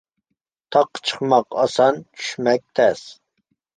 تاغقا چىقماق ئاسان، چۈشمەك تەس.